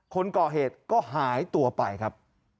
คนก่อเหตุก็หายตัวไปครับ